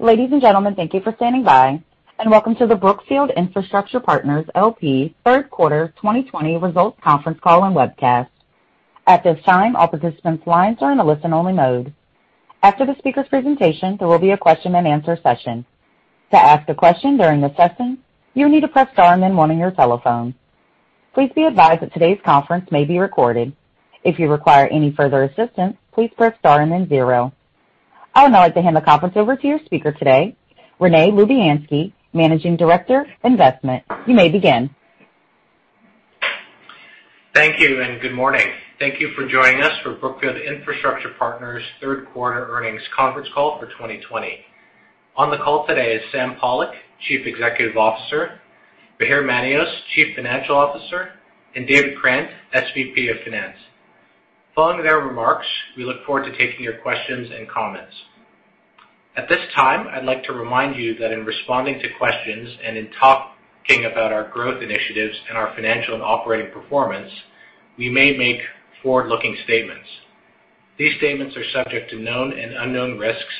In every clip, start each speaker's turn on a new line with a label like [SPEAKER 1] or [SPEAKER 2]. [SPEAKER 1] Ladies and gentlemen, thank you for standing by. Welcome to the Brookfield Infrastructure Partners LP third quarter 2020 results conference call and webcast. At this time, all participants' lines are in a listen-only mode. After the speakers' presentation, there will be a question-and-answer session. To ask a question during the session, you will need to press star and then one on your telephone. Please be advised that today's conference may be recorded. If you require any further assistance, please press star and then zero. I would now like to hand the conference over to your speaker today, Rene Lubianski, Managing Director, Investment. You may begin.
[SPEAKER 2] Thank you, and good morning. Thank you for joining us for Brookfield Infrastructure Partners' third quarter earnings conference call for 2020. On the call today is Sam Pollock, Chief Executive Officer, Bahir Manios, Chief Financial Officer, and David Krant, SVP of Finance. Following their remarks, we look forward to taking your questions and comments. At this time, I'd like to remind you that in responding to questions and in talking about our growth initiatives and our financial and operating performance, we may make forward-looking statements. These statements are subject to known and unknown risks,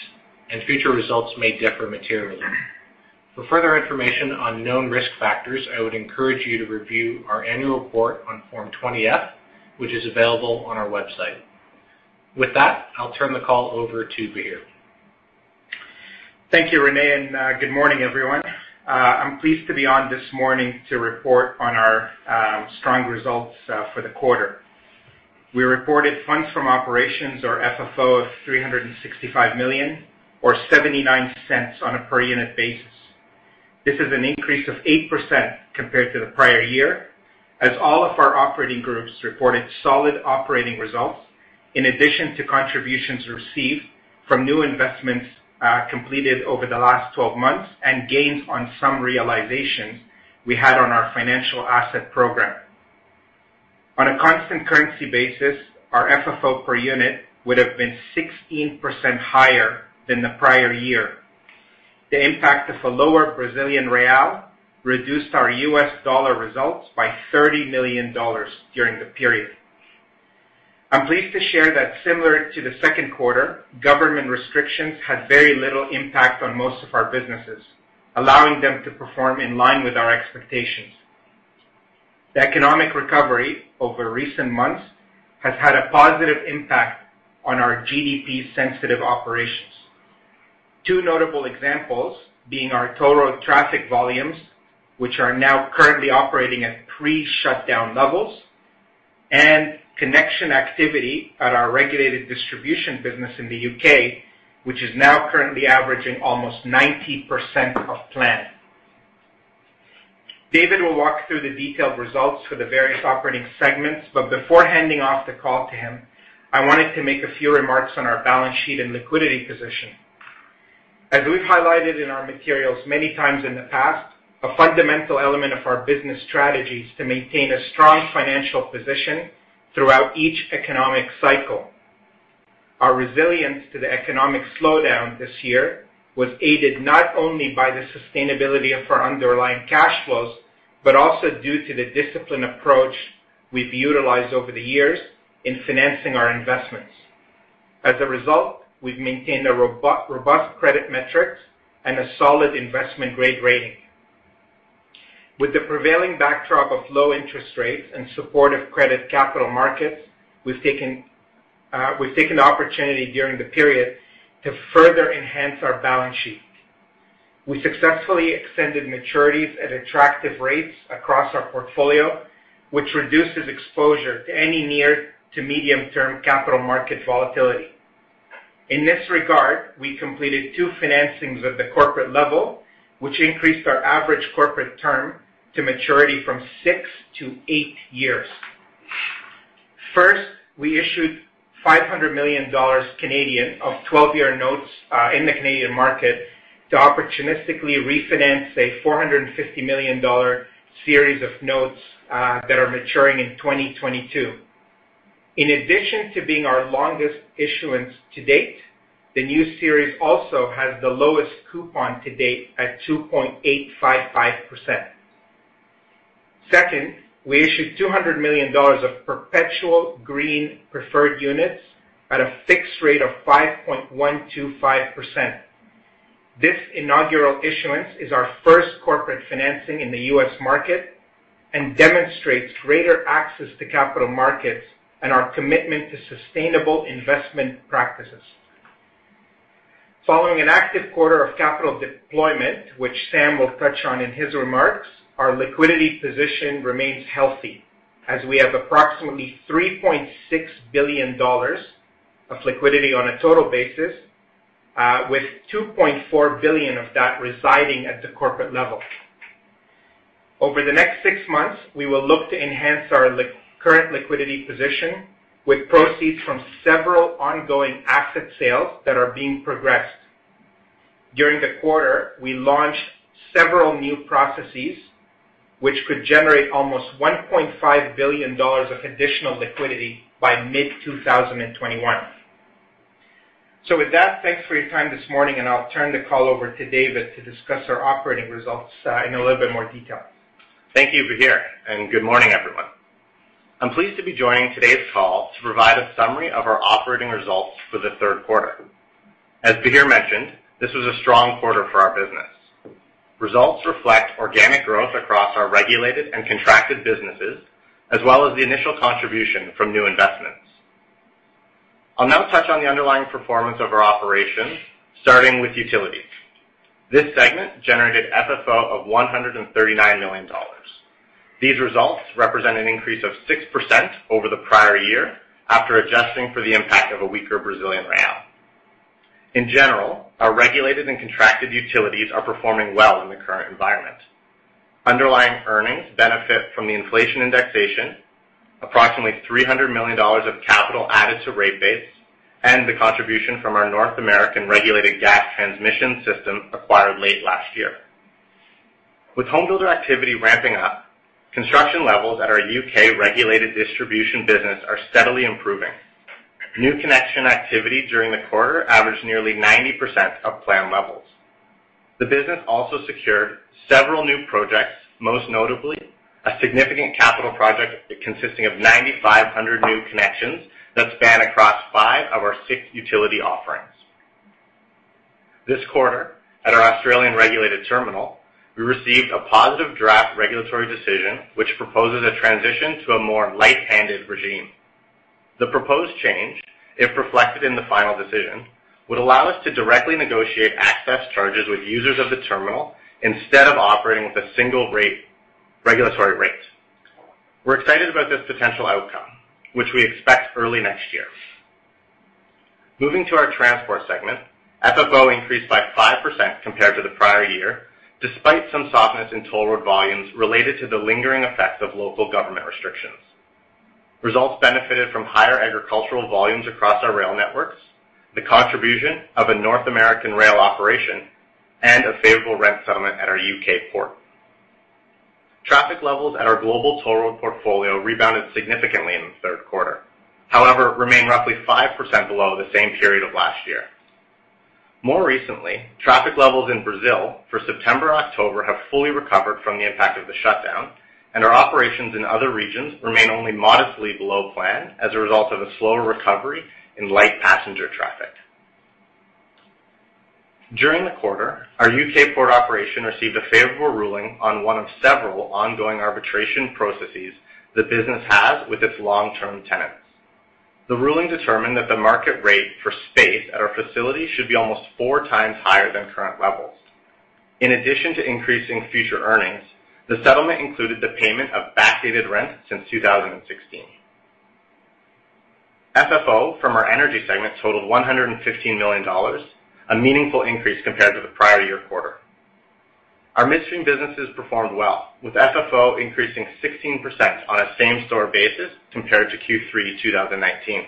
[SPEAKER 2] and future results may differ materially. For further information on known risk factors, I would encourage you to review our annual report on Form 20-F, which is available on our website. With that, I'll turn the call over to Bahir.
[SPEAKER 3] Thank you, Rene. Good morning, everyone. I am pleased to be on this morning to report on our strong results for the quarter. We reported funds from operations or FFO of $365 million, or $0.79 on a per unit basis. This is an increase of 8% compared to the prior year, as all of our operating groups reported solid operating results, in addition to contributions received from new investments completed over the last 12 months and gains on some realizations we had on our financial asset program. On a constant currency basis, our FFO per unit would have been 16% higher than the prior year. The impact of a lower Brazilian real reduced our U.S. dollar results by $30 million during the period. I'm pleased to share that similar to the second quarter, government restrictions had very little impact on most of our businesses, allowing them to perform in line with our expectations. The economic recovery over recent months has had a positive impact on our GDP-sensitive operations. Two notable examples being our total traffic volumes, which are now currently operating at pre-shutdown levels, and connection activity at our regulated distribution business in the U.K., which is now currently averaging almost 90% of plan. David will walk through the detailed results for the various operating segments. Before handing off the call to him, I wanted to make a few remarks on our balance sheet and liquidity position. As we've highlighted in our materials many times in the past, a fundamental element of our business strategy is to maintain a strong financial position throughout each economic cycle. Our resilience to the economic slowdown this year was aided not only by the sustainability of our underlying cash flows but also due to the disciplined approach we've utilized over the years in financing our investments. As a result, we've maintained a robust credit metric and a solid investment-grade rating. With the prevailing backdrop of low interest rates and supportive credit capital markets, we've taken the opportunity during the period to further enhance our balance sheet. We successfully extended maturities at attractive rates across our portfolio, which reduces exposure to any near to medium-term capital market volatility. In this regard, we completed two financings at the corporate level, which increased our average corporate term to maturity from six to eight years. First, we issued 500 million Canadian dollars of 12-year notes, in the Canadian market to opportunistically refinance a $450 million series of notes that are maturing in 2022. In addition to being our longest issuance to date, the new series also has the lowest coupon to date at 2.855%. Second, we issued $200 million of perpetual green preferred units at a fixed rate of 5.125%. This inaugural issuance is our first corporate financing in the U.S. market and demonstrates greater access to capital markets and our commitment to sustainable investment practices. Following an active quarter of capital deployment, which Sam will touch on in his remarks, our liquidity position remains healthy as we have approximately $3.6 billion of liquidity on a total basis, with $2.4 billion of that residing at the corporate level. Over the next six months, we will look to enhance our current liquidity position with proceeds from several ongoing asset sales that are being progressed. During the quarter, we launched several new processes, which could generate almost $1.5 billion of additional liquidity by mid-2021. Thanks for your time this morning, and I'll turn the call over to David to discuss our operating results in a little bit more detail.
[SPEAKER 4] Thank you, Bahir, and good morning, everyone. I'm pleased to be joining today's call to provide a summary of our operating results for the third quarter. As Bahir mentioned, this was a strong quarter for our business. Results reflect organic growth across our regulated and contracted businesses, as well as the initial contribution from new investments. I'll now touch on the underlying performance of our operations, starting with utilities. This segment generated FFO of $139 million. These results represent an increase of 6% over the prior year after adjusting for the impact of a weaker Brazilian real. In general, our regulated and contracted utilities are performing well in the current environment. Underlying earnings benefit from the inflation indexation, approximately $300 million of capital added to rate base, and the contribution from our North American regulated gas transmission system acquired late last year. With home builder activity ramping up, construction levels at our U.K. regulated distribution business are steadily improving. New connection activity during the quarter averaged nearly 90% of planned levels. The business also secured several new projects, most notably a significant capital project consisting of 9,500 new connections that span across 5 of our 6 utility offerings. This quarter, at our Australian regulated terminal, we received a positive draft regulatory decision, which proposes a transition to a more light-handed regime. The proposed change, if reflected in the final decision, would allow us to directly negotiate access charges with users of the terminal instead of operating with a single regulatory rate. We're excited about this potential outcome, which we expect early next year. Moving to our transport segment, FFO increased by 5% compared to the prior year, despite some softness in toll road volumes related to the lingering effects of local government restrictions. Results benefited from higher agricultural volumes across our rail networks, the contribution of a North American rail operation, and a favorable rent settlement at our U.K. port. Traffic levels at our global toll road portfolio rebounded significantly in the third quarter, however, remain roughly 5% below the same period of last year. More recently, traffic levels in Brazil for September, October have fully recovered from the impact of the shutdown, and our operations in other regions remain only modestly below plan as a result of a slower recovery in light passenger traffic. During the quarter, our U.K. port operation received a favorable ruling on one of several ongoing arbitration processes the business has with its long-term tenants. The ruling determined that the market rate for space at our facility should be almost four times higher than current levels. In addition to increasing future earnings, the settlement included the payment of backdated rent since 2016. FFO from our energy segment totaled $115 million, a meaningful increase compared to the prior year quarter. Our midstream businesses performed well, with FFO increasing 16% on a same-store basis compared to Q3 2019.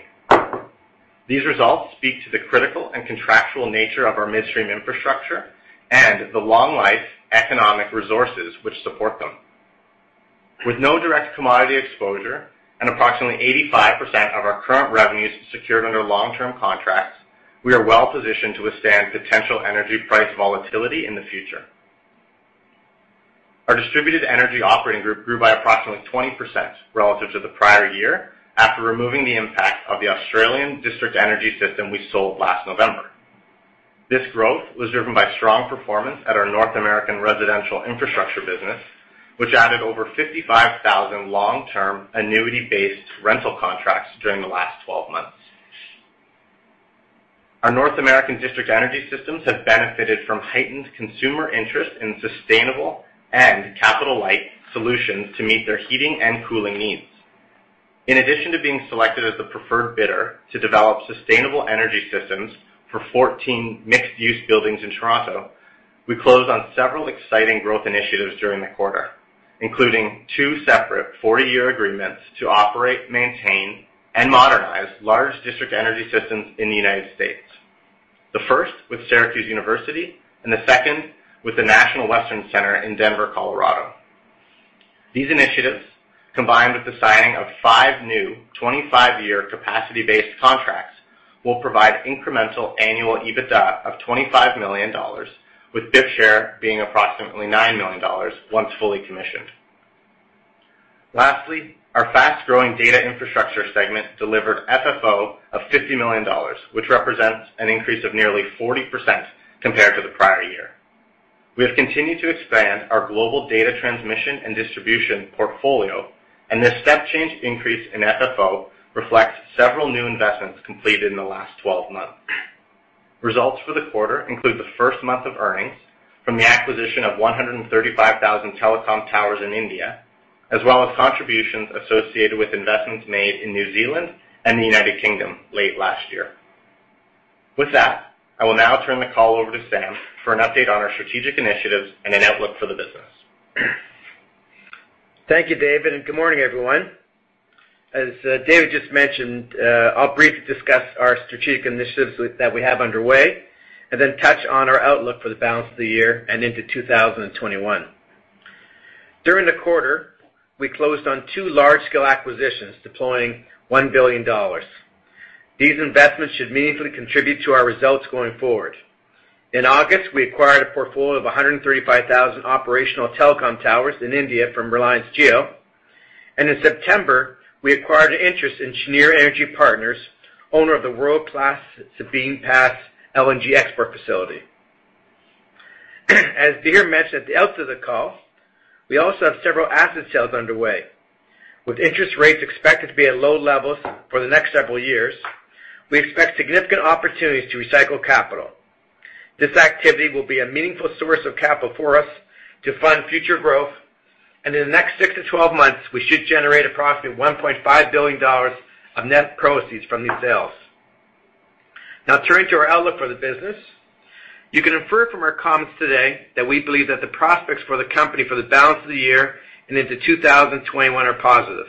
[SPEAKER 4] These results speak to the critical and contractual nature of our midstream infrastructure and the long-life economic resources which support them. With no direct commodity exposure and approximately 85% of our current revenues secured under long-term contracts, we are well positioned to withstand potential energy price volatility in the future. Our distributed energy operating group grew by approximately 20% relative to the prior year after removing the impact of the Australian district energy system we sold last November. This growth was driven by strong performance at our North American residential infrastructure business, which added over 55,000 long-term annuity-based rental contracts during the last 12 months. Our North American district energy systems have benefited from heightened consumer interest in sustainable and capital-light solutions to meet their heating and cooling needs. In addition to being selected as the preferred bidder to develop sustainable energy systems for 14 mixed-use buildings in Toronto, we closed on several exciting growth initiatives during the quarter, including two separate 40-year agreements to operate, maintain, and modernize large district energy systems in the U.S. The first with Syracuse University and the second with the National Western Center in Denver, Colorado. These initiatives, combined with the signing of five new 25-year capacity-based contracts, will provide incremental annual EBITDA of $25 million, with BIP share being approximately $9 million once fully commissioned. Lastly, our fast-growing data infrastructure segment delivered FFO of $50 million, which represents an increase of nearly 40% compared to the prior year. We have continued to expand our global data transmission and distribution portfolio, and this step-change increase in FFO reflects several new investments completed in the last 12 months. Results for the quarter include the first month of earnings from the acquisition of 135,000 telecom towers in India, as well as contributions associated with investments made in New Zealand and the United Kingdom late last year. With that, I will now turn the call over to Sam for an update on our strategic initiatives and an outlook for the business.
[SPEAKER 5] Thank you, David. Good morning, everyone. As David just mentioned, I'll briefly discuss our strategic initiatives that we have underway then touch on our outlook for the balance of the year and into 2021. During the quarter, we closed on two large-scale acquisitions, deploying $1 billion. These investments should meaningfully contribute to our results going forward. In August, we acquired a portfolio of 135,000 operational telecom towers in India from Reliance Jio. In September, we acquired an interest in Cheniere Energy Partners, owner of the world-class Sabine Pass LNG export facility. As Bahir mentioned at the outset of the call, we also have several asset sales underway. With interest rates expected to be at low levels for the next several years, we expect significant opportunities to recycle capital. This activity will be a meaningful source of capital for us to fund future growth. In the next 6-12 months, we should generate approximately $1.5 billion of net proceeds from these sales. Turning to our outlook for the business. You can infer from our comments today that we believe that the prospects for the company for the balance of the year and into 2021 are positive.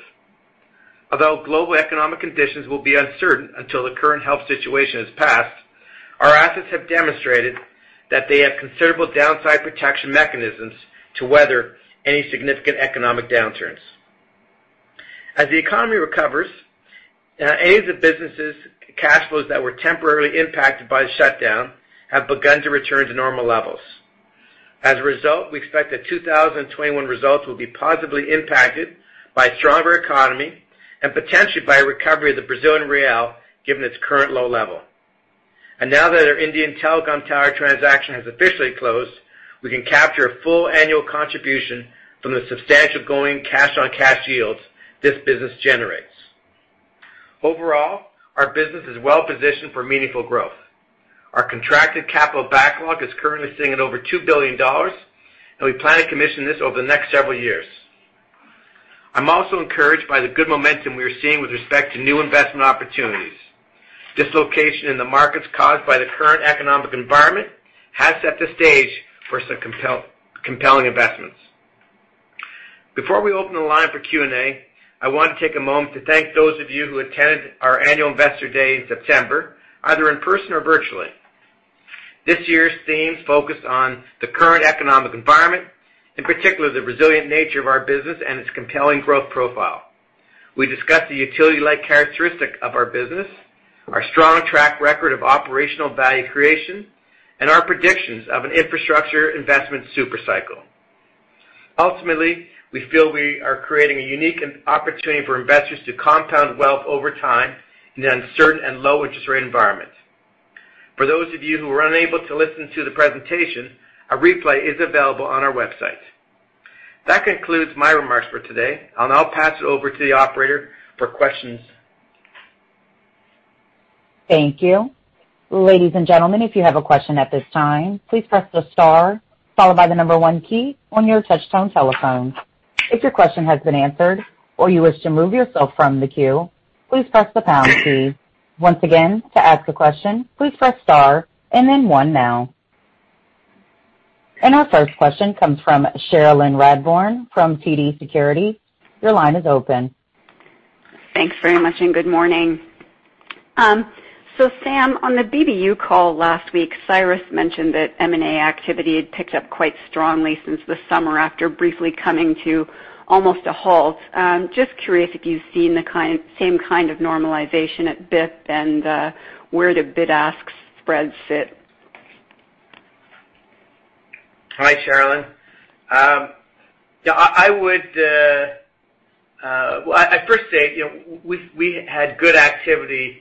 [SPEAKER 5] Although global economic conditions will be uncertain until the current health situation has passed, our assets have demonstrated that they have considerable downside protection mechanisms to weather any significant economic downturns. As the economy recovers, any of the businesses' cash flows that were temporarily impacted by the shutdown have begun to return to normal levels. As a result, we expect that 2021 results will be positively impacted by a stronger economy and potentially by a recovery of the Brazilian real, given its current low level. Now that our Indian telecom tower transaction has officially closed, we can capture a full annual contribution from the substantial going cash-on-cash yields this business generates. Overall, our business is well-positioned for meaningful growth. Our contracted capital backlog is currently sitting at over $2 billion, and we plan to commission this over the next several years. I am also encouraged by the good momentum we are seeing with respect to new investment opportunities. Dislocation in the markets caused by the current economic environment has set the stage for some compelling investments. Before we open the line for Q&A, I want to take a moment to thank those of you who attended our annual investor day in September, either in person or virtually. This year's themes focused on the current economic environment, in particular, the resilient nature of our business and its compelling growth profile. We discussed the utility-like characteristic of our business, our strong track record of operational value creation, and our predictions of an infrastructure investment super cycle. Ultimately, we feel we are creating a unique opportunity for investors to compound wealth over time in an uncertain and low interest rate environment. For those of you who were unable to listen to the presentation, a replay is available on our website. That concludes my remarks for today. I will now pass it over to the operator for questions.
[SPEAKER 1] Thank you. Ladies and gentlemen, if you have a question at this time, please press the star followed by the number one key on your touchtone telephone. If your question has been answered or you wish to remove yourself from the queue, please press the pound key. Once again, to ask a question, please press star and then one now. Our first question comes from Cherilyn Radbourne from TD Securities. Your line is open.
[SPEAKER 6] Thanks very much. Good morning. Sam, on the BBU call last week, Cyrus mentioned that M&A activity had picked up quite strongly since the summer after briefly coming to almost a halt. Just curious if you've seen the same kind of normalization at BIP and where the bid-ask spreads sit.
[SPEAKER 5] Hi, Cherilyn. I'd first say, we had good activity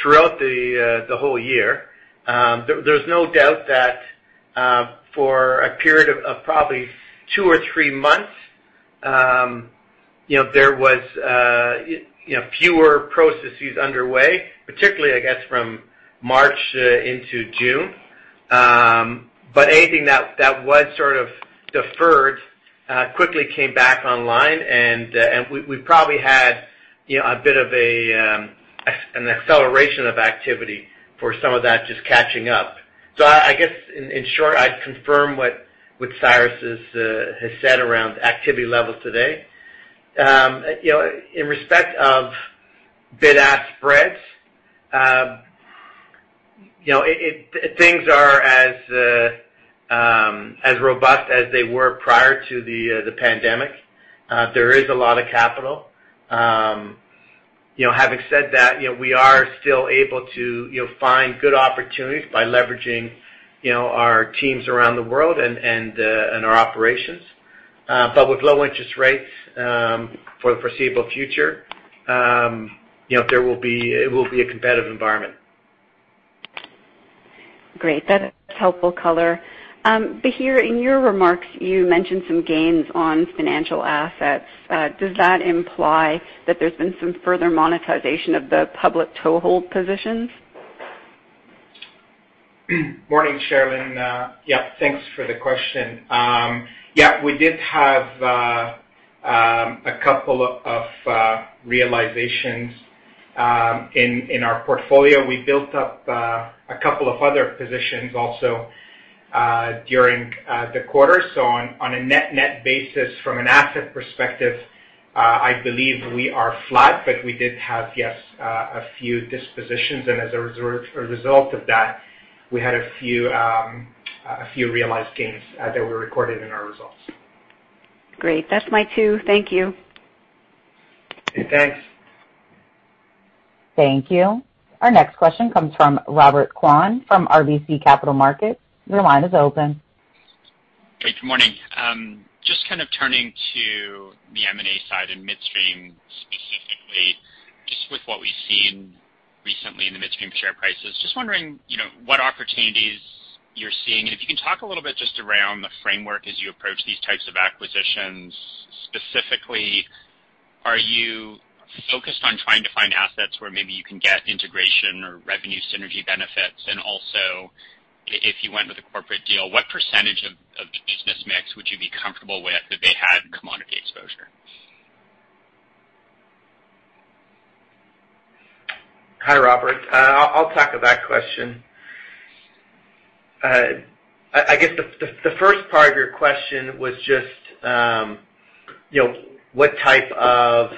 [SPEAKER 5] throughout the whole year. There's no doubt that for a period of probably two or three months, there was fewer processes underway, particularly, I guess, from March into June. Anything that was sort of deferred quickly came back online, and we probably had a bit of an acceleration of activity for some of that just catching up. I guess, in short, I'd confirm what Cyrus has said around activity levels today. In respect of bid-ask spreads, things are as robust as they were prior to the pandemic. There is a lot of capital. Having said that, we are still able to find good opportunities by leveraging our teams around the world and our operations. With low interest rates for the foreseeable future, it will be a competitive environment.
[SPEAKER 6] Great. That is helpful color. Bahir, in your remarks, you mentioned some gains on financial assets. Does that imply that there's been some further monetization of the public toehold positions?
[SPEAKER 3] Morning, Cherilyn. Yeah, thanks for the question. Yeah, we did have a couple of realizations in our portfolio. We built up a couple of other positions also during the quarter. On a net basis from an asset perspective, I believe we are flat. We did have, yes, a few dispositions, and as a result of that, we had a few realized gains that were recorded in our results.
[SPEAKER 6] Great. That's my two. Thank you.
[SPEAKER 5] Okay, thanks.
[SPEAKER 1] Thank you. Our next question comes from Robert Kwan from RBC Capital Markets. Your line is open.
[SPEAKER 7] Great. Good morning. Turning to the M&A side and midstream specifically, with what we've seen recently in the midstream share prices, wondering what opportunities you're seeing. If you can talk a little bit around the framework as you approach these types of acquisitions. Specifically, are you focused on trying to find assets where maybe you can get integration or revenue synergy benefits? If you went with a corporate deal, what percentage of the business mix would you be comfortable with if they had commodity exposure?
[SPEAKER 5] Hi, Robert. I'll tackle that question. I guess the first part of your question was just what type of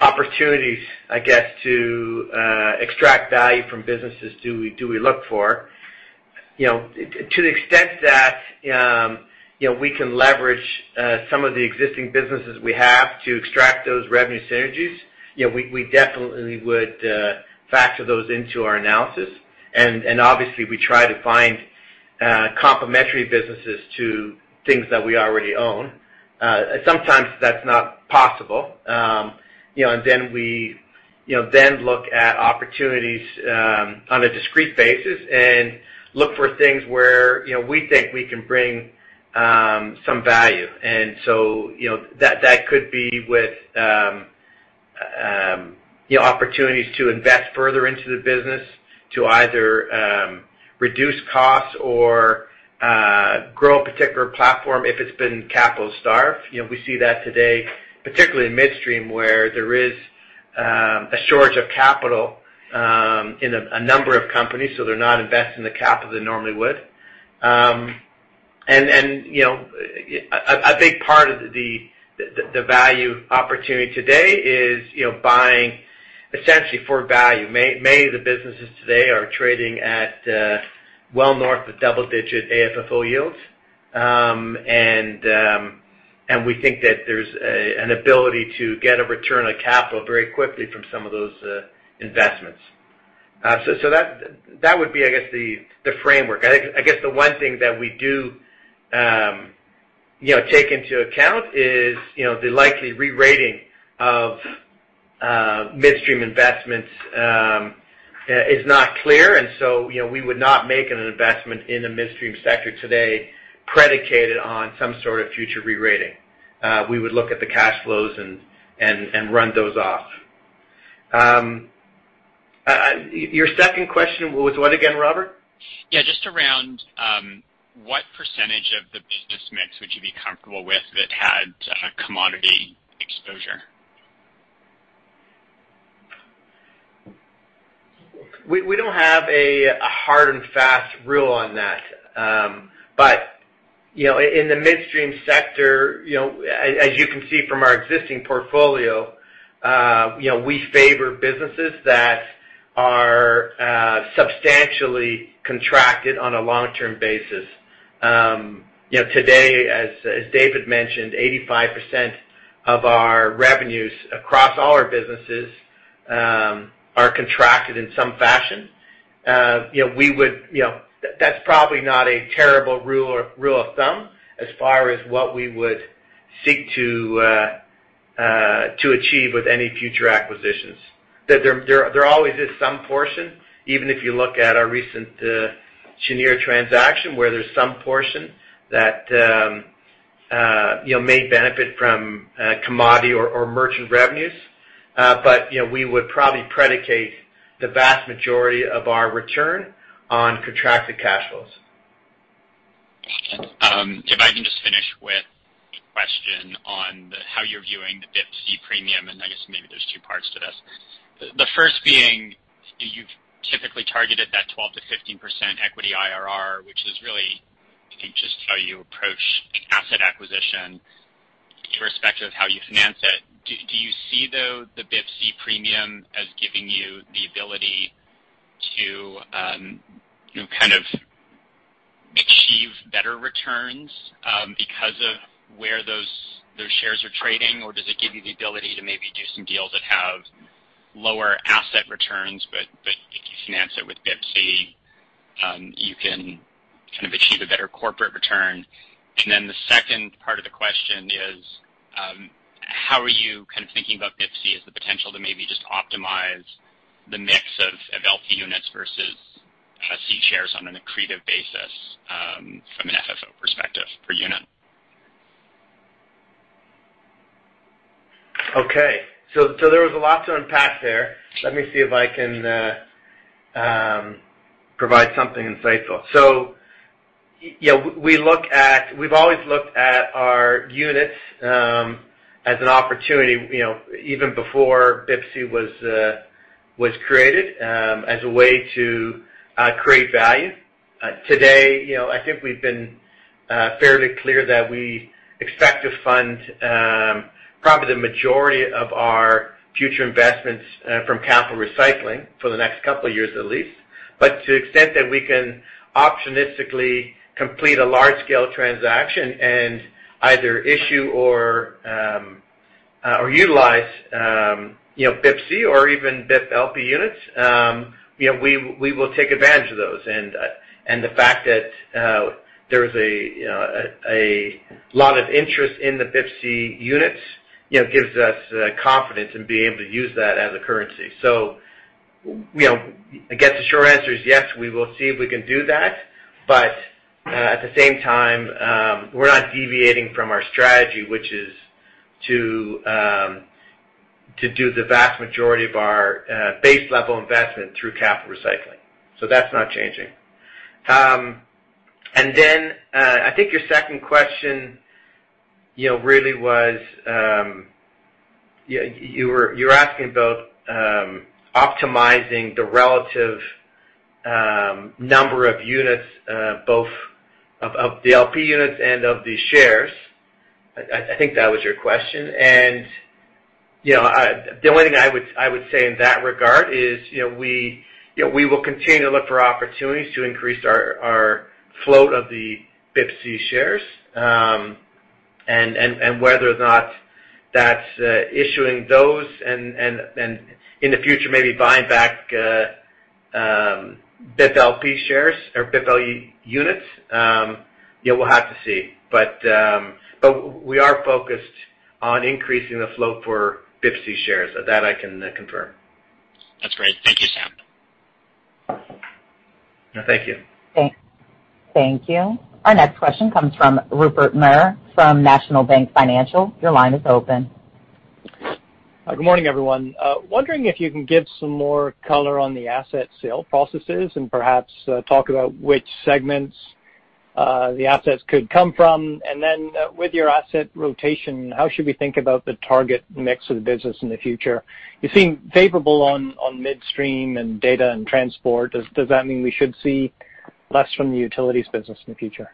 [SPEAKER 5] opportunities, I guess, to extract value from businesses do we look for. To the extent that we can leverage some of the existing businesses we have to extract those revenue synergies, we definitely would factor those into our analysis. Obviously, we try to find complementary businesses to things that we already own. Sometimes that's not possible. We look at opportunities on a discrete basis and look for things where we think we can bring some value. That could be with opportunities to invest further into the business to either reduce costs or grow a particular platform if it's been capital starved. We see that today, particularly in midstream, where there is a shortage of capital in a number of companies, so they're not investing the capital they normally would. A big part of the value opportunity today is buying essentially for value. Many of the businesses today are trading at well north of double-digit AFFO yields. We think that there's an ability to get a return on capital very quickly from some of those investments. That would be, I guess, the framework. I guess the one thing that we do take into account is the likely re-rating of midstream investments is not clear, and so, we would not make an investment in the midstream sector today predicated on some sort of future re-rating. We would look at the cash flows and run those off. Your second question was what again, Robert?
[SPEAKER 7] Yeah, just around what percentage of the business mix would you be comfortable with that had commodity exposure?
[SPEAKER 5] We don't have a hard and fast rule on that. In the midstream sector, as you can see from our existing portfolio, we favor businesses that are substantially contracted on a long-term basis. Today, as David mentioned, 85% of our revenues across all our businesses are contracted in some fashion. That's probably not a terrible rule of thumb as far as what we would seek to achieve with any future acquisitions. There always is some portion, even if you look at our recent Cheniere transaction, where there's some portion that may benefit from commodity or merchant revenues. We would probably predicate the vast majority of our return on contracted cash flows.
[SPEAKER 7] If I can just finish with a question on how you're viewing the BIPC premium. I guess maybe there's two parts to this. The first being, you've typically targeted that 12%-15% equity IRR, which is really, I think, just how you approach an asset acquisition irrespective of how you finance it. Do you see, though, the BIPC premium as giving you the ability to kind of achieve better returns because of where those shares are trading? Does it give you the ability to maybe do some deals that have lower asset returns, but if you finance it with BIPC, you can kind of achieve a better corporate return? The second part of the question is, how are you kind of thinking about BIPC as the potential to maybe just optimize the mix of LP units versus C shares on an accretive basis from an FFO perspective per unit?
[SPEAKER 5] Okay. There was a lot to unpack there. Let me see if I can provide something insightful. We've always looked at our units as an opportunity, even before BIPC was created, as a way to create value. Today, I think we've been fairly clear that we expect to fund probably the majority of our future investments from capital recycling for the next couple of years at least. To the extent that we can opportunistically complete a large-scale transaction and either issue or utilize BIPC or even BIP LP units, we will take advantage of those. The fact that there is a lot of interest in the BIPC units gives us the confidence in being able to use that as a currency. I guess the short answer is yes, we will see if we can do that. At the same time, we're not deviating from our strategy, which is to do the vast majority of our base level investment through capital recycling. That's not changing. Then, I think your second question really was You were asking about optimizing the relative number of units, both of the LP units and of the shares. I think that was your question. The only thing I would say in that regard is we will continue to look for opportunities to increase our float of the BIPC shares. Whether or not that's issuing those and in the future maybe buying back BIP LP shares or BIP LP units, we'll have to see. We are focused on increasing the float for BIPC shares. That I can confirm.
[SPEAKER 7] That's great. Thank you, Sam.
[SPEAKER 5] Thank you.
[SPEAKER 1] Thank you. Our next question comes from Rupert Merer from National Bank Financial. Your line is open.
[SPEAKER 8] Good morning, everyone. Wondering if you can give some more color on the asset sale processes and perhaps talk about which segments the assets could come from. With your asset rotation, how should we think about the target mix of the business in the future? You seem favorable on midstream and data and transport. Does that mean we should see less from the utilities business in the future?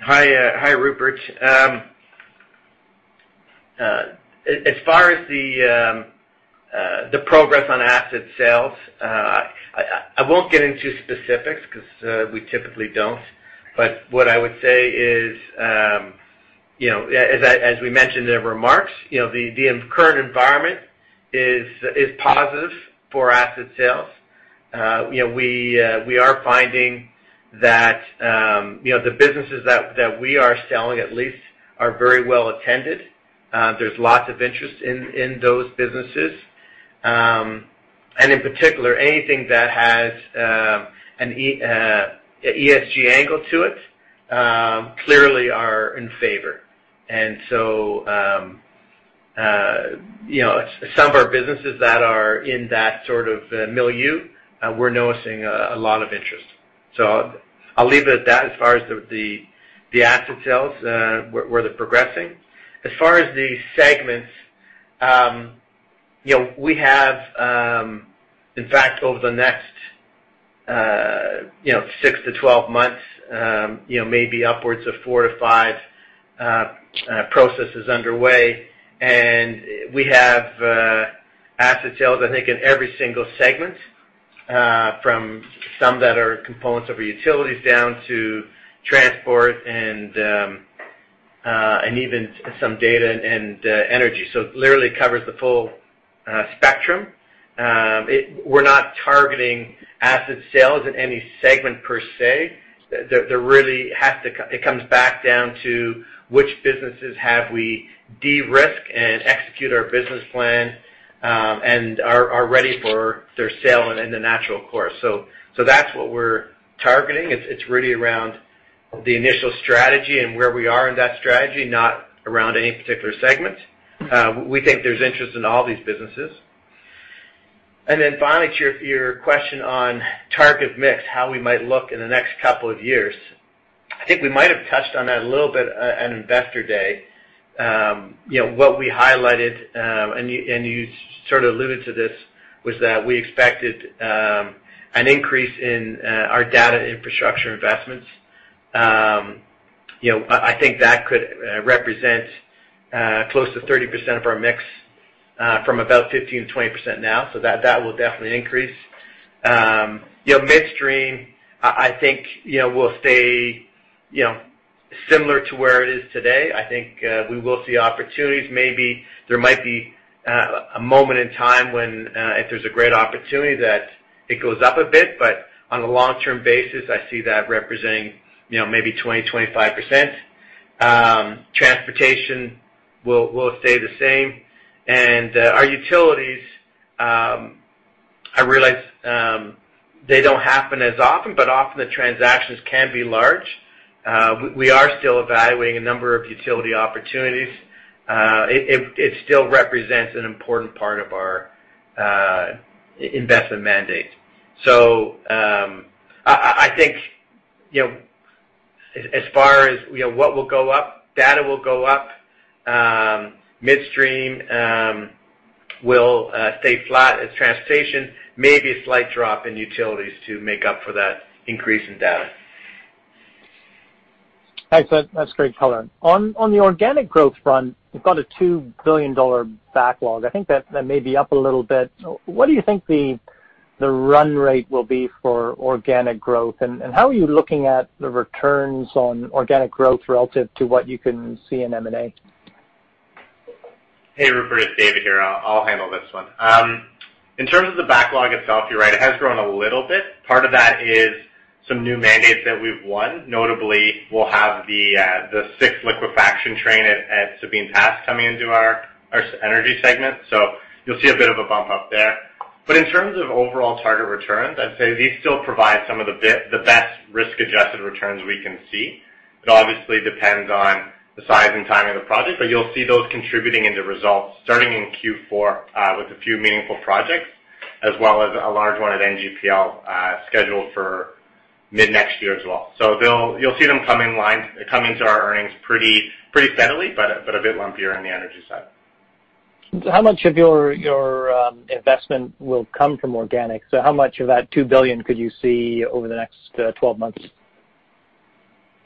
[SPEAKER 5] Hi, Rupert. As far as the progress on asset sales, I won't get into specifics because we typically don't. What I would say is, as we mentioned in the remarks, the current environment is positive for asset sales. We are finding that the businesses that we are selling at least are very well attended. There's lots of interest in those businesses. In particular, anything that has an ESG angle to it clearly are in favor. Some of our businesses that are in that sort of milieu, we're noticing a lot of interest. I'll leave it at that as far as the asset sales, where they're progressing. As far as the segments, we have, in fact, over the next six to 12 months, maybe upwards of four to five processes underway, and we have asset sales, I think, in every single segment, from some that are components of our utilities down to transport and even some data and energy. It literally covers the full spectrum. We're not targeting asset sales in any segment per se. It comes back down to which businesses have we de-risked and executed our business plan, and are ready for their sale in the natural course. That's what we're targeting. It's really around the initial strategy and where we are in that strategy, not around any particular segment. We think there's interest in all these businesses. Finally, to your question on target mix, how we might look in the next couple of years. I think we might have touched on that a little bit at Investor Day. What we highlighted, and you sort of alluded to this, was that we expected an increase in our data infrastructure investments. I think that could represent close to 30% of our mix from about 15%-20% now. That will definitely increase. Midstream, I think will stay similar to where it is today. I think we will see opportunities. Maybe there might be a moment in time when, if there's a great opportunity that it goes up a bit, but on a long-term basis, I see that representing maybe 20%-25%. Transportation will stay the same. Our utilities, I realize they don't happen as often, but often the transactions can be large. We are still evaluating a number of utility opportunities. It still represents an important part of our investment mandate. I think as far as what will go up, data will go up. Midstream will stay flat as transportation, maybe a slight drop in utilities to make up for that increase in data.
[SPEAKER 8] Thanks. That's great color. On the organic growth front, you've got a $2 billion backlog. I think that may be up a little bit. What do you think the run rate will be for organic growth, and how are you looking at the returns on organic growth relative to what you can see in M&A?
[SPEAKER 4] Hey, Rupert, it's David here. I'll handle this one. In terms of the backlog itself, you're right, it has grown a little bit. Part of that is some new mandates that we've won. Notably, we'll have the sixth liquefaction train at Sabine Pass coming into our energy segment. You'll see a bit of a bump up there. In terms of overall target returns, I'd say these still provide some of the best risk-adjusted returns we can see. It obviously depends on the size and timing of the project, but you'll see those contributing into results starting in Q4 with a few meaningful projects, as well as a large one at NGPL scheduled for mid-next year as well. You'll see them come into our earnings pretty steadily, but a bit lumpier on the energy side.
[SPEAKER 8] How much of your investment will come from organic? How much of that $2 billion could you see over the next 12 months?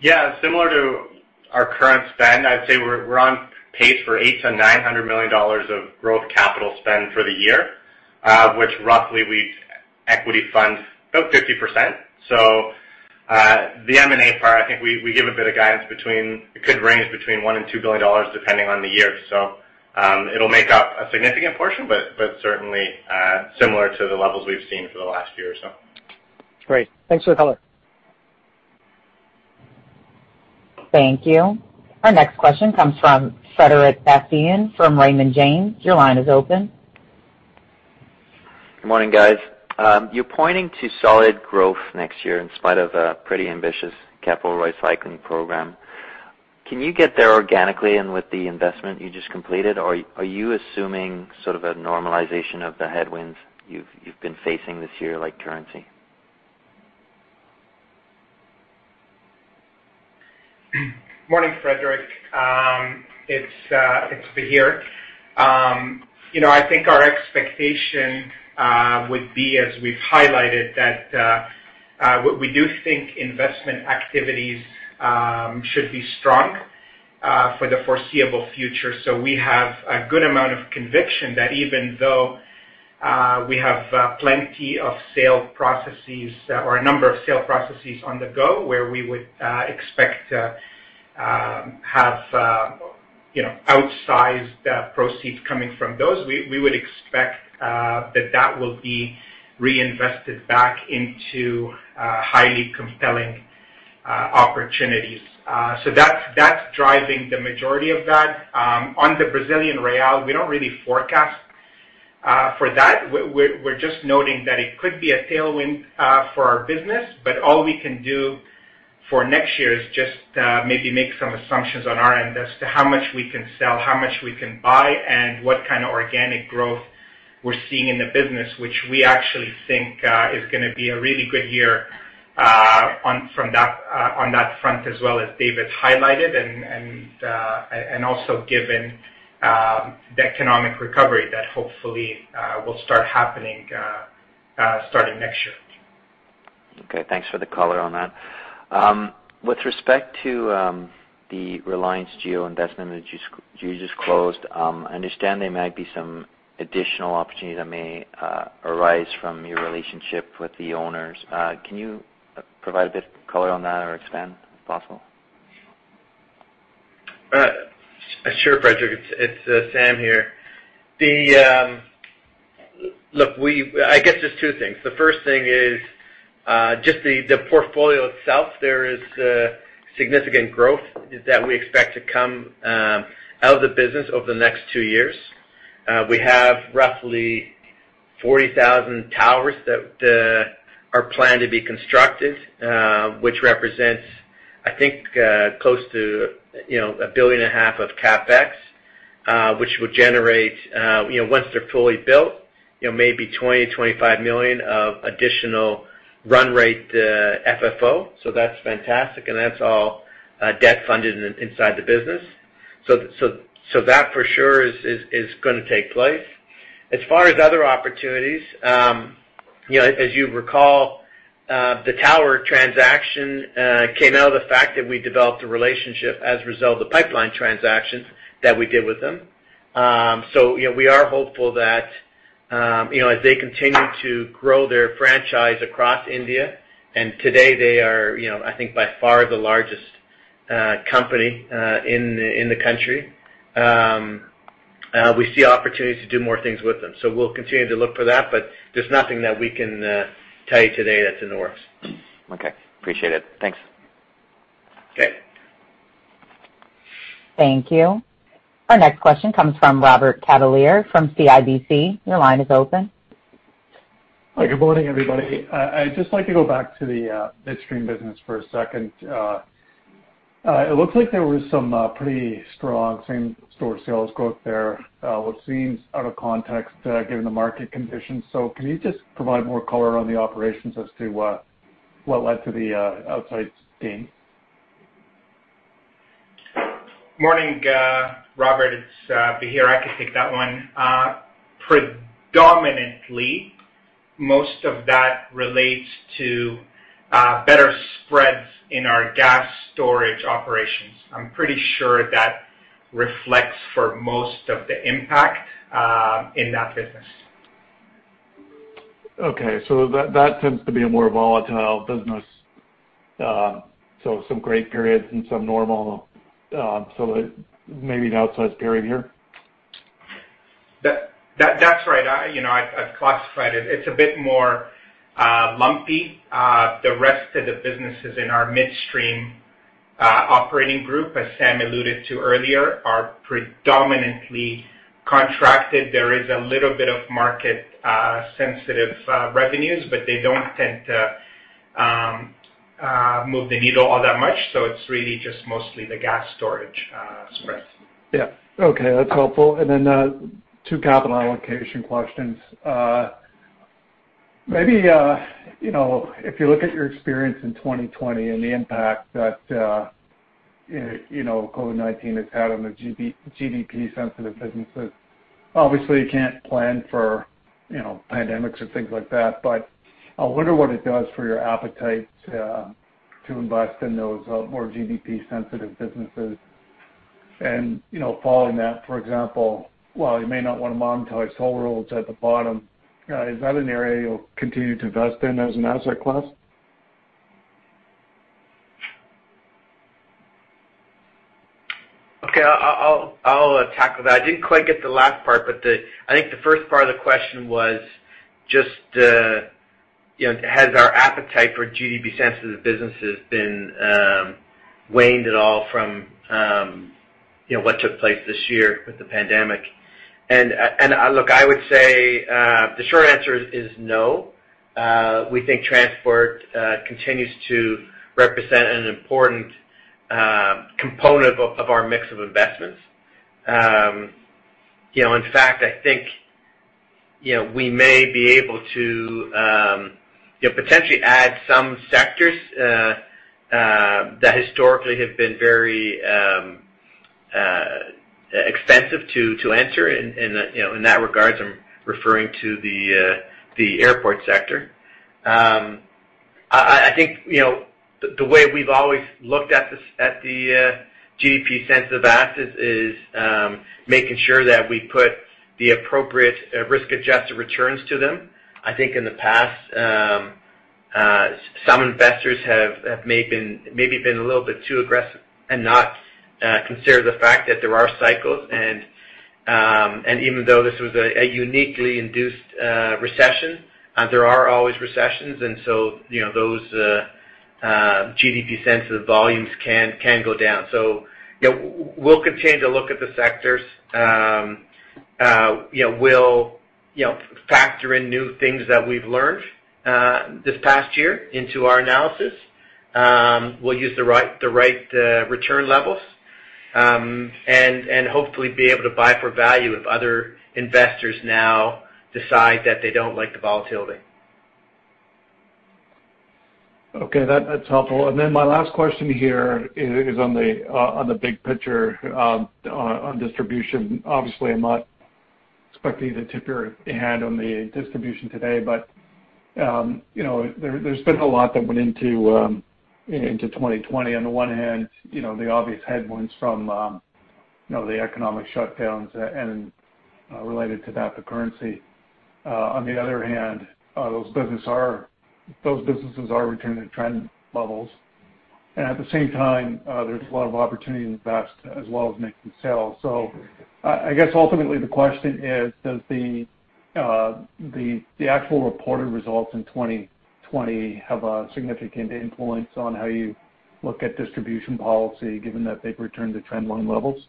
[SPEAKER 4] Yeah. Similar to our current spend, I'd say we're on pace for $800 million-$900 million of growth capital spend for the year, which roughly we equity fund about 50%. The M&A part, I think we give a bit of guidance between, it could range between $1 billion-$2 billion, depending on the year. It'll make up a significant portion, but certainly similar to the levels we've seen for the last year or so.
[SPEAKER 8] Great. Thanks for the color.
[SPEAKER 1] Thank you. Our next question comes from Frederic Bastien from Raymond James. Your line is open.
[SPEAKER 9] Good morning, guys. You're pointing to solid growth next year in spite of a pretty ambitious capital recycling program. Can you get there organically and with the investment you just completed, or are you assuming sort of a normalization of the headwinds you've been facing this year, like currency?
[SPEAKER 3] Morning, Frederic. It's Bahir. I think our expectation would be, as we've highlighted, that we do think investment activities should be strong for the foreseeable future. We have a good amount of conviction that even though we have plenty of sale processes or a number of sale processes on the go, where we would expect to have outsized proceeds coming from those, we would expect that that will be reinvested back into highly compelling opportunities. That's driving the majority of that. On the Brazilian real, we don't really forecast for that. We're just noting that it could be a tailwind for our business, but all we can do for next year is just maybe make some assumptions on our end as to how much we can sell, how much we can buy, and what kind of organic growth we're seeing in the business, which we actually think is going to be a really good year on that front as well, as David highlighted, and also given the economic recovery that hopefully will start happening starting next year.
[SPEAKER 9] Okay, thanks for the color on that. With respect to the Reliance Jio investment that you just closed, I understand there might be some additional opportunities that may arise from your relationship with the owners. Can you provide a bit of color on that or expand, if possible?
[SPEAKER 5] Sure, Frederic, it's Sam here. Look, I guess there's two things. The first thing is just the portfolio itself. There is significant growth that we expect to come out of the business over the next two years. We have roughly 40,000 towers that are planned to be constructed, which represents, I think, close to a billion and a half of CapEx, which would generate, once they're fully built, maybe $20 million-$25 million of additional run rate FFO. That's fantastic, and that's all debt-funded inside the business. That for sure is going to take place. As far as other opportunities, as you recall, the tower transaction came out of the fact that we developed a relationship as a result of the pipeline transactions that we did with them. We are hopeful that as they continue to grow their franchise across India, and today they are, I think, by far the largest company in the country. We see opportunities to do more things with them. We'll continue to look for that, but there's nothing that we can tell you today that's in the works.
[SPEAKER 9] Okay. Appreciate it. Thanks.
[SPEAKER 5] Okay.
[SPEAKER 1] Thank you. Our next question comes from Robert Catellier from CIBC. Your line is open.
[SPEAKER 10] Hi, good morning, everybody. I'd just like to go back to the midstream business for a second. It looks like there was some pretty strong same-store sales growth there, which seems out of context given the market conditions. Can you just provide more color on the operations as to what led to the outsize gain?
[SPEAKER 3] Morning, Robert. It's Bahir. I can take that one. Predominantly, most of that relates to better spreads in our gas storage operations. I'm pretty sure that reflects for most of the impact in that business.
[SPEAKER 10] Okay. That tends to be a more volatile business. Some great periods and some normal. Maybe an outsized period here?
[SPEAKER 3] That's right. I've classified it. It's a bit more lumpy. The rest of the businesses in our midstream operating group, as Sam alluded to earlier, are predominantly contracted. There is a little bit of market sensitive revenues, but they don't tend to move the needle all that much. It's really just mostly the gas storage spreads.
[SPEAKER 10] Yeah. Okay. That's helpful. Two capital allocation questions. Maybe, if you look at your experience in 2020 and the impact that COVID-19 has had on the GDP sensitive businesses, obviously you can't plan for pandemics or things like that, but I wonder what it does for your appetite to invest in those more GDP sensitive businesses. Following that, for example, while you may not want to monetize toll roads at the bottom, is that an area you'll continue to invest in as an asset class?
[SPEAKER 5] Okay. I'll tackle that. I didn't quite get the last part, but I think the first part of the question was just has our appetite for GDP sensitive businesses been waned at all from what took place this year with the pandemic? Look, I would say the short answer is no. We think transport continues to represent an important component of our mix of investments. In fact, I think we may be able to potentially add some sectors that historically have been very expensive to enter in that regards, I'm referring to the airport sector. I think the way we've always looked at the GDP sensitive assets is making sure that we put the appropriate risk-adjusted returns to them. I think in the past some investors have maybe been a little bit too aggressive and not considered the fact that there are cycles. Even though this was a uniquely induced recession, there are always recessions. Those GDP sensitive volumes can go down. We'll continue to look at the sectors. We'll factor in new things that we've learned this past year into our analysis. We'll use the right return levels. Hopefully be able to buy for value if other investors now decide that they don't like the volatility.
[SPEAKER 10] Okay. That's helpful. My last question here is on the big picture on distribution. Obviously, I'm not expecting you to tip your hand on the distribution today, but there's been a lot that went into 2020. On the one hand, the obvious headwinds from the economic shutdowns and related to that, the currency. On the other hand, those businesses are returning to trend levels. At the same time, there's a lot of opportunity to invest as well as make some sales. I guess ultimately the question is, does the actual reported results in 2020 have a significant influence on how you look at distribution policy given that they've returned to trend line levels?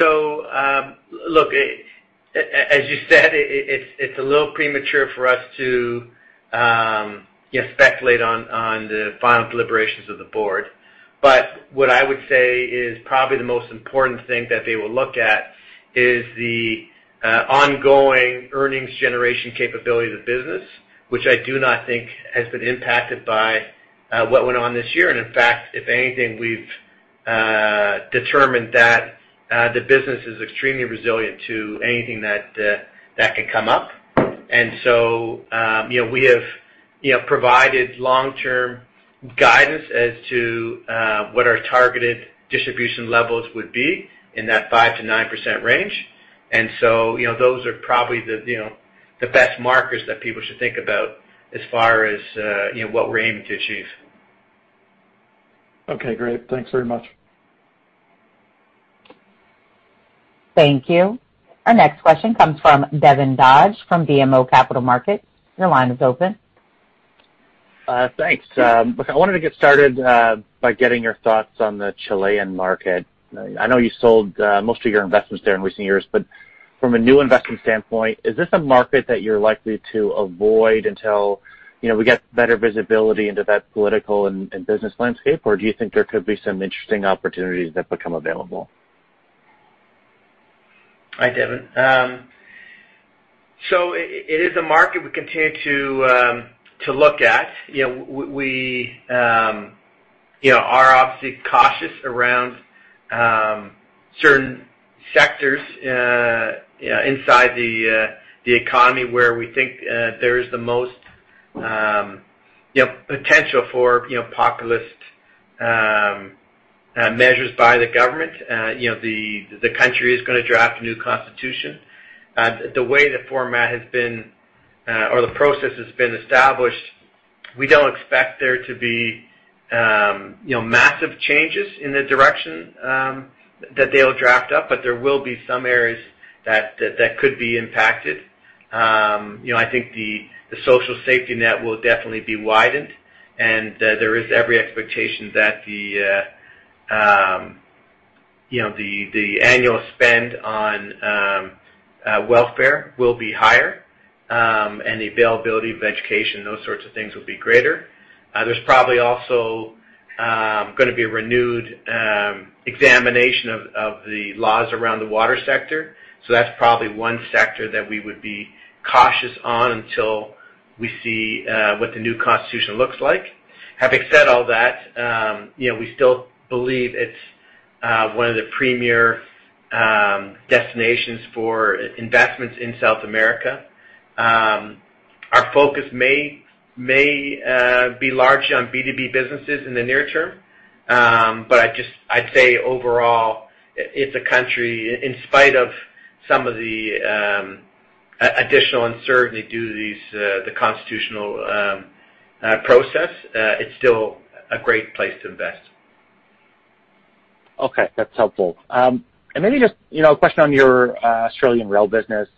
[SPEAKER 5] Look, as you said, it's a little premature for us to speculate on the final deliberations of the board. What I would say is probably the most important thing that they will look at is the ongoing earnings generation capability of the business, which I do not think has been impacted by what went on this year. In fact, if anything, we've determined that the business is extremely resilient to anything that can come up. We have provided long-term guidance as to what our targeted distribution levels would be in that 5%-9% range. Those are probably the best markers that people should think about as far as what we're aiming to achieve.
[SPEAKER 10] Okay, great. Thanks very much.
[SPEAKER 1] Thank you. Our next question comes from Devin Dodge from BMO Capital Markets. Your line is open.
[SPEAKER 11] Thanks. Look, I wanted to get started by getting your thoughts on the Chilean market. I know you sold most of your investments there in recent years, but from a new investment standpoint, is this a market that you're likely to avoid until we get better visibility into that political and business landscape? Or do you think there could be some interesting opportunities that become available?
[SPEAKER 5] Hi, Devin. It is a market we continue to look at. We are obviously cautious around certain sectors inside the economy where we think there is the most potential for populist measures by the government. The country is going to draft a new constitution. The way the format has been or the process has been established, we don't expect there to be massive changes in the direction that they'll draft up, but there will be some areas that could be impacted. I think the social safety net will definitely be widened, and there is every expectation that the annual spend on welfare will be higher, and the availability of education, those sorts of things, will be greater. There's probably also going to be a renewed examination of the laws around the water sector. That's probably one sector that we would be cautious on until we see what the new constitution looks like. Having said all that, we still believe it's one of the premier destinations for investments in South America. Our focus may be largely on B2B businesses in the near term. I'd say overall, it's a country, in spite of some of the additional uncertainty due to the constitutional process, it's still a great place to invest.
[SPEAKER 11] Okay, that's helpful. Maybe just a question on your Australian rail business.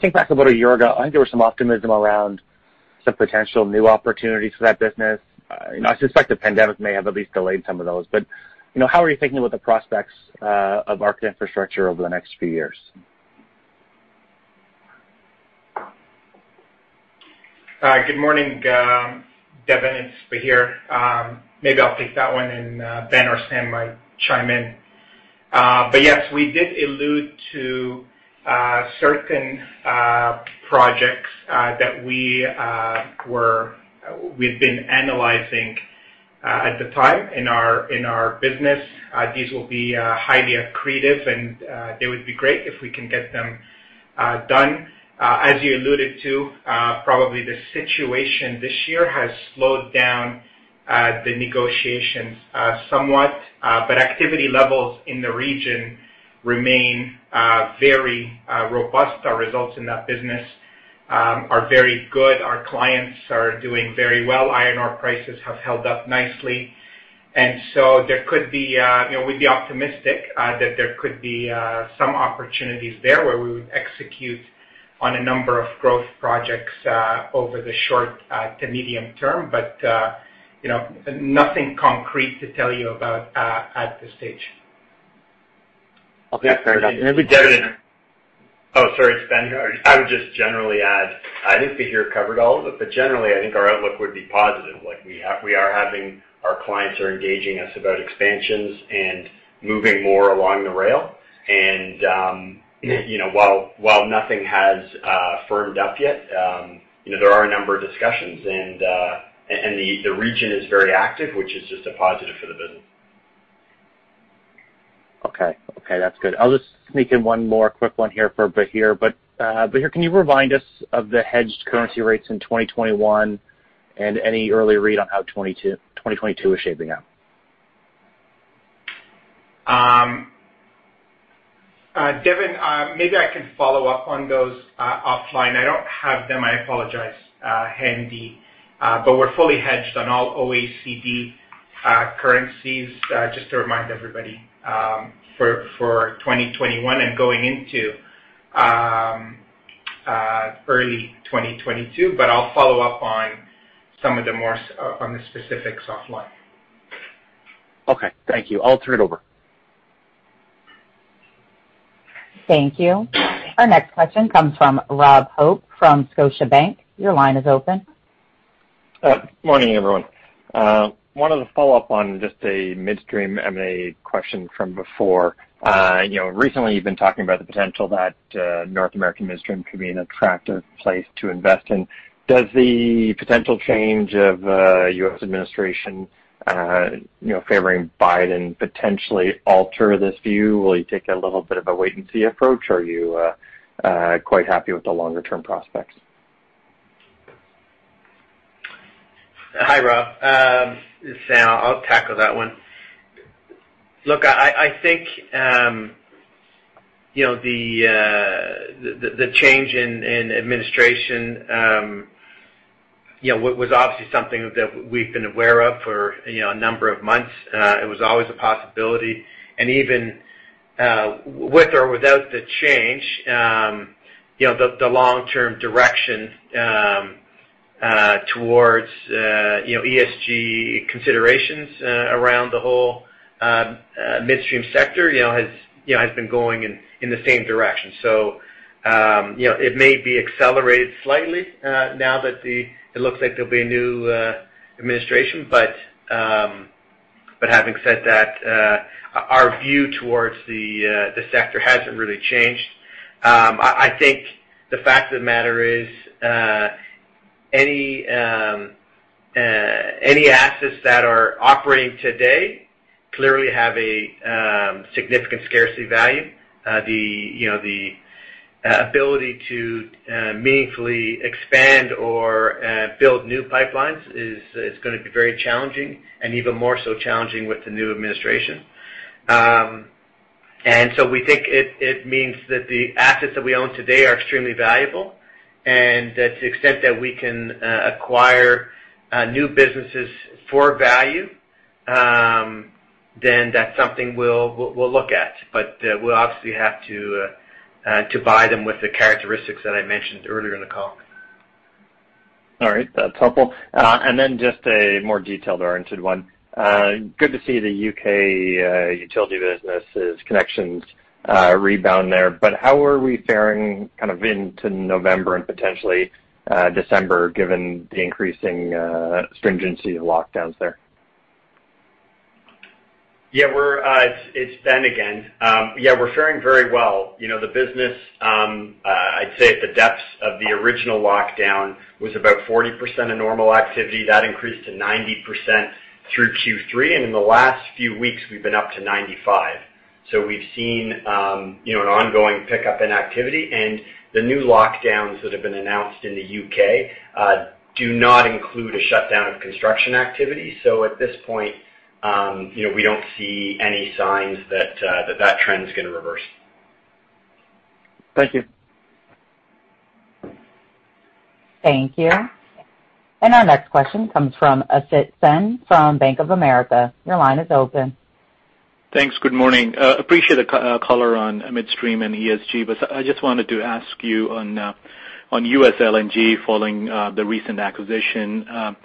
[SPEAKER 11] Think back about a year ago, I think there was some optimism around some potential new opportunities for that business. I suspect the pandemic may have at least delayed some of those, but how are you thinking about the prospects of Arc Infrastructure over the next few years?
[SPEAKER 3] Good morning Devin, it's Bahir. Maybe I'll take that one and Ben or Sam might chime in. Yes, we did allude to certain projects that we've been analyzing at the time in our business. These will be highly accretive, and it would be great if we can get them done. As you alluded to, probably the situation this year has slowed down the negotiations somewhat, but activity levels in the region remain very robust. Our results in that business are very good. Our clients are doing very well. Iron ore prices have held up nicely. We'd be optimistic that there could be some opportunities there where we would execute on a number of growth projects over the short to medium term. Nothing concrete to tell you about at this stage.
[SPEAKER 11] Okay, fair enough.
[SPEAKER 12] Oh, sorry, it's Ben here. I would just generally add, I think Bahir covered all of it, but generally, I think our outlook would be positive. Our clients are engaging us about expansions and moving more along the rail, and while nothing has firmed up yet, there are a number of discussions, and the region is very active, which is just a positive for the business.
[SPEAKER 11] Okay. That's good. I'll just sneak in one more quick one here for Bahir. Bahir, can you remind us of the hedged currency rates in 2021 and any early read on how 2022 is shaping up?
[SPEAKER 3] Devin, maybe I can follow up on those offline. I don't have them, I apologize, handy. We're fully hedged on all OECD currencies, just to remind everybody, for 2021 and going into early 2022. I'll follow up on the specifics offline.
[SPEAKER 11] Okay, thank you. I'll turn it over.
[SPEAKER 1] Thank you. Our next question comes from Rob Hope from Scotiabank. Your line is open.
[SPEAKER 13] Morning, everyone. Wanted to follow up on just a midstream M&A question from before. Recently you've been talking about the potential that North American midstream could be an attractive place to invest in. Does the potential change of a U.S. administration favoring Biden potentially alter this view? Will you take a little bit of a wait and see approach? Are you quite happy with the longer term prospects?
[SPEAKER 5] Hi, Rob. It's Sam. I'll tackle that one. Look, I think the change in administration was obviously something that we've been aware of for a number of months. It was always a possibility, and even with or without the change, the long-term direction towards ESG considerations around the whole midstream sector has been going in the same direction. It may be accelerated slightly now that it looks like there'll be a new administration. Having said that, our view towards the sector hasn't really changed. I think the fact of the matter is, any assets that are operating today clearly have a significant scarcity value. The ability to meaningfully expand or build new pipelines is going to be very challenging, and even more so challenging with the new administration. We think it means that the assets that we own today are extremely valuable, and that to the extent that we can acquire new businesses for value, then that's something we'll look at. We'll obviously have to buy them with the characteristics that I mentioned earlier in the call.
[SPEAKER 13] All right. That's helpful. Just a more detailed-oriented one. Good to see the U.K. utility businesses connections rebound there. How are we fairing kind of into November and potentially December, given the increasing stringency of lockdowns there?
[SPEAKER 12] It's Ben again. We're faring very well. The business, I'd say at the depths of the original lockdown was about 40% of normal activity. That increased to 90% through Q3. In the last few weeks, we've been up to 95%. We've seen an ongoing pickup in activity. The new lockdowns that have been announced in the U.K. do not include a shutdown of construction activity. At this point, we don't see any signs that that trend is going to reverse.
[SPEAKER 13] Thank you.
[SPEAKER 1] Thank you. Our next question comes from Asit Sen from Bank of America. Your line is open.
[SPEAKER 14] Thanks. Good morning. Appreciate the color on midstream and ESG. I just wanted to ask you on U.S. LNG following the recent acquisition. How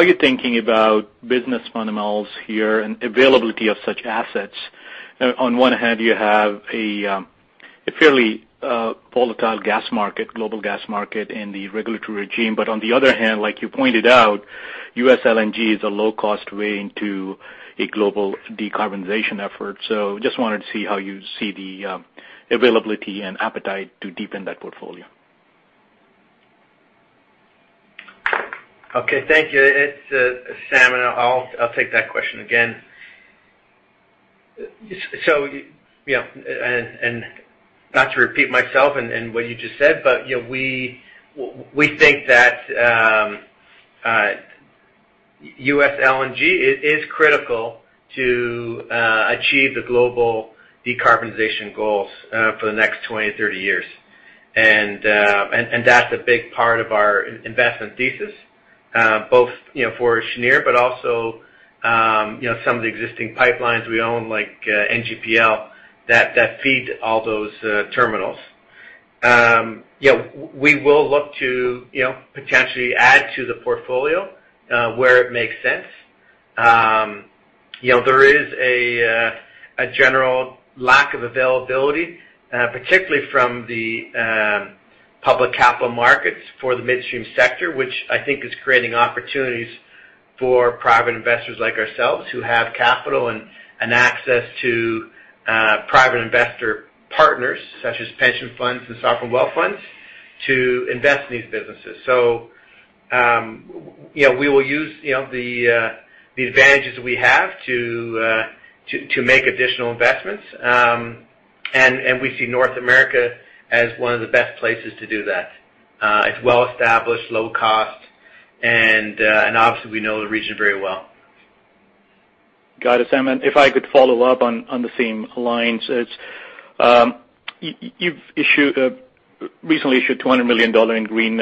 [SPEAKER 14] are you thinking about business fundamentals here and availability of such assets? On one hand, you have a fairly volatile global gas market and the regulatory regime. On the other hand, like you pointed out, U.S. LNG is a low-cost way into a global decarbonization effort. Just wanted to see how you see the availability and appetite to deepen that portfolio.
[SPEAKER 5] Okay. Thank you. It's Sam, I'll take that question again. Not to repeat myself and what you just said, but we think that U.S. LNG is critical to achieve the global decarbonization goals for the next 20-30 years. That's a big part of our investment thesis, both for Cheniere but also some of the existing pipelines we own, like NGPL, that feed all those terminals. We will look to potentially add to the portfolio where it makes sense. There is a general lack of availability, particularly from the public capital markets for the midstream sector, which I think is creating opportunities for private investors like ourselves who have capital and access to private investor partners, such as pension funds and sovereign wealth funds, to invest in these businesses. We will use the advantages we have to make additional investments. We see North America as one of the best places to do that. It's well-established, low cost, and obviously, we know the region very well.
[SPEAKER 14] Got it, Sam. If I could follow up on the same lines. You've recently issued $200 million in green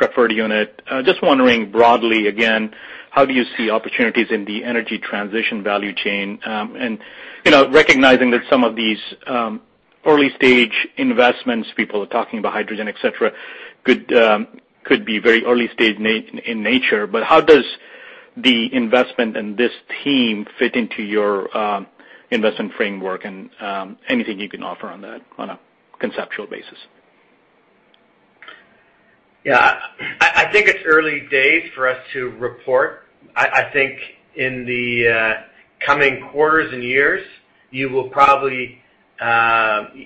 [SPEAKER 14] preferred unit. Just wondering broadly again, how do you see opportunities in the energy transition value chain? Recognizing that some of these early-stage investments, people are talking about hydrogen, et cetera, could be very early-stage in nature. How does the investment and this team fit into your investment framework? Anything you can offer on that on a conceptual basis?
[SPEAKER 5] I think it's early days for us to report. I think in the coming quarters and years, you will probably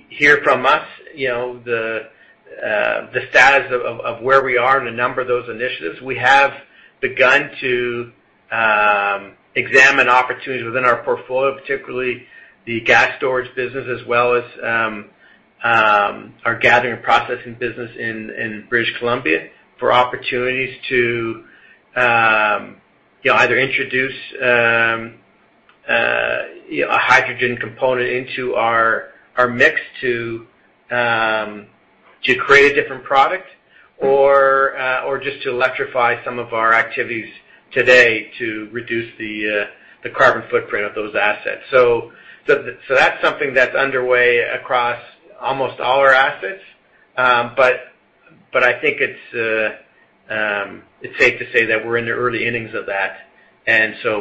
[SPEAKER 5] hear from us the status of where we are in a number of those initiatives. We have begun to examine opportunities within our portfolio, particularly the gas storage business as well as our gathering processing business in British Columbia for opportunities to either introduce a hydrogen component into our mix to create a different product or just to electrify some of our activities today to reduce the carbon footprint of those assets. That's something that's underway across almost all our assets. I think it's safe to say that we're in the early innings of that,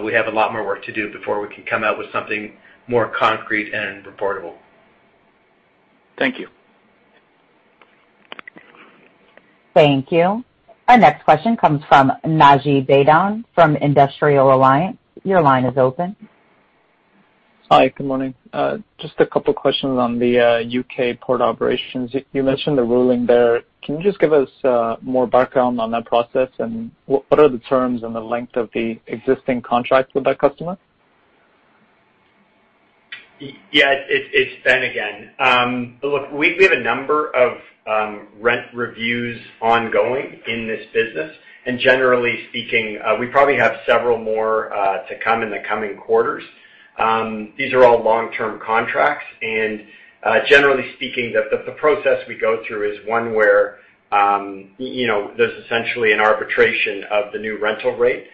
[SPEAKER 5] we have a lot more work to do before we can come out with something more concrete and reportable.
[SPEAKER 14] Thank you.
[SPEAKER 1] Thank you. Our next question comes from Naji Baydoun from Industrial Alliance. Your line is open.
[SPEAKER 15] Hi, good morning. Just a couple questions on the U.K. port operations. You mentioned the ruling there. Can you just give us more background on that process, and what are the terms and the length of the existing contracts with that customer?
[SPEAKER 12] Yeah, it's Ben again. Look, we have a number of rent reviews ongoing in this business. Generally speaking, we probably have several more to come in the coming quarters. These are all long-term contracts. Generally speaking, the process we go through is one where there's essentially an arbitration of the new rental rate.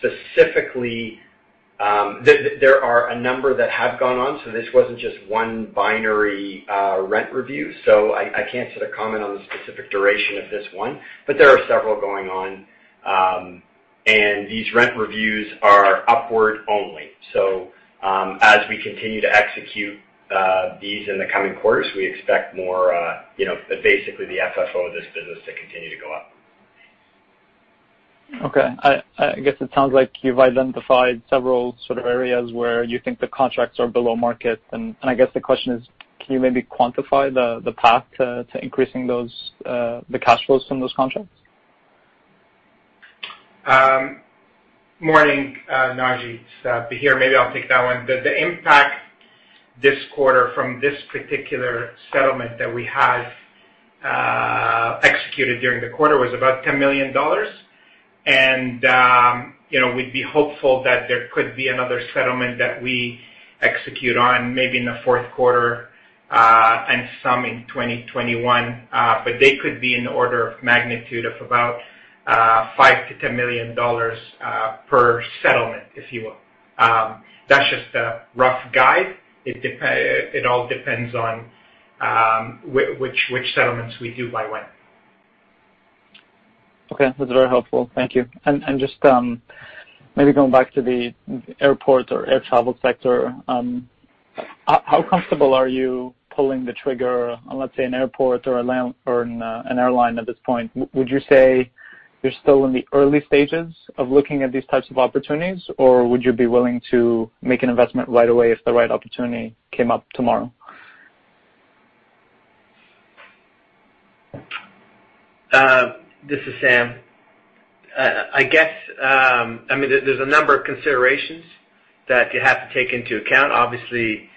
[SPEAKER 12] Specifically, there are a number that have gone on. This wasn't just one binary rent review. I can't sort of comment on the specific duration of this one. There are several going on. These rent reviews are upward only. As we continue to execute these in the coming quarters, we expect basically the FFO of this business to continue to go up.
[SPEAKER 15] Okay. I guess it sounds like you've identified several sort of areas where you think the contracts are below market. I guess the question is, can you maybe quantify the path to increasing the cash flows from those contracts?
[SPEAKER 3] Morning, Naji. Bahir. Maybe I'll take that one. The impact this quarter from this particular settlement that we have executed during the quarter was about $10 million. We'd be hopeful that there could be another settlement that we execute on maybe in the fourth quarter, and some in 2021. They could be in the order of magnitude of about $5 million-$10 million per settlement, if you will. That's just a rough guide. It all depends on which settlements we do by when.
[SPEAKER 15] Okay. That's very helpful. Thank you. Just maybe going back to the airport or air travel sector. How comfortable are you pulling the trigger on, let's say, an airport or an airline at this point? Would you say you're still in the early stages of looking at these types of opportunities, or would you be willing to make an investment right away if the right opportunity came up tomorrow?
[SPEAKER 5] This is Sam. I guess, there's a number of considerations that you have to take into account. Obviously,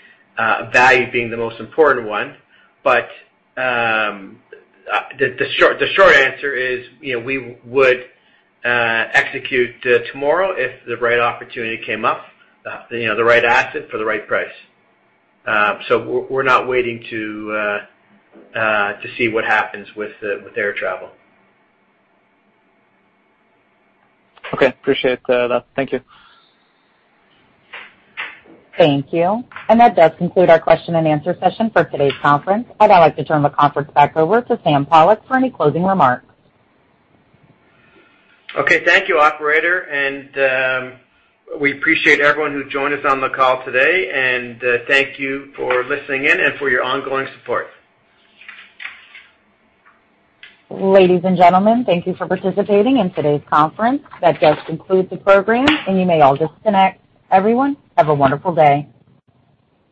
[SPEAKER 5] value being the most important one. The short answer is we would execute tomorrow if the right opportunity came up, the right asset for the right price. We're not waiting to see what happens with air travel.
[SPEAKER 15] Okay. Appreciate that. Thank you.
[SPEAKER 1] Thank you. That does conclude our question and answer session for today's conference. I'd now like to turn the conference back over to Sam Pollock for any closing remarks.
[SPEAKER 5] Okay. Thank you, operator. We appreciate everyone who joined us on the call today. Thank you for listening in and for your ongoing support.
[SPEAKER 1] Ladies and gentlemen, thank you for participating in today's conference. That does conclude the program, and you may all disconnect. Everyone, have a wonderful day.